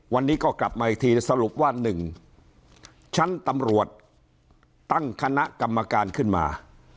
วันนี้ก็กลับมาอีกทีสรุปว่า๑ชั้นตำรวจตั้งคณะกรรมการขึ้นมา